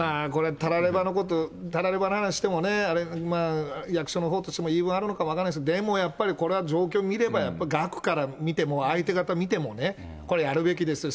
まあこれ、たらればの話してもね、役所のほうとしても言い分あるのかも分からないですけど、でもやっぱり、これは状況見れば、やっぱ額から見ても、相手方見ても、これ、やるべきですよ。